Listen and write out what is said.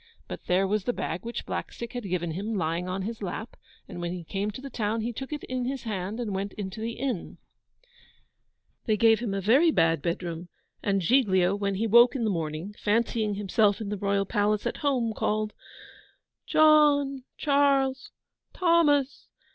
But there was the bag which Blackstick had given him lying on his lap; and when he came to the town he took it in his hand and went into the inn. They gave him a very bad bedroom, and Giglio, when he woke in the morning, fancying himself in the Royal Palace at home, called, 'John, Charles, Thomas!